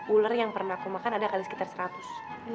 ular yang pernah aku makan ada kali sekitar seratus